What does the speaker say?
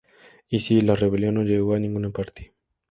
Y sí, la rebelión no llegó a ninguna parte.